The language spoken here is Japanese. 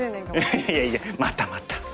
いやいやまたまた！